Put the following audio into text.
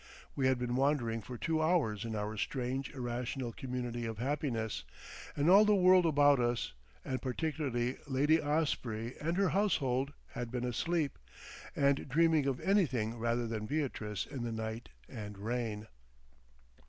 We had been wandering for two hours in our strange irrational community of happiness, and all the world about us, and particularly Lady Osprey and her household, had been asleep—and dreaming of anything rather than Beatrice in the night and rain.